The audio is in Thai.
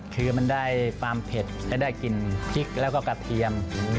คือมันได้ความเผ็ดและได้กลิ่นพริกแล้วก็กระเทียม